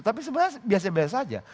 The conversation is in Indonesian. tapi sebenarnya biasa biasa saja